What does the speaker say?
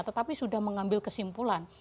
tetapi sudah mengambil kesimpulan